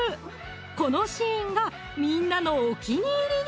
このシーンがみんなのお気に入りに！